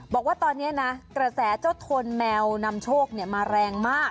บอกว่าตอนนี้นะกระแสเจ้าทนแมวนำโชคมาแรงมาก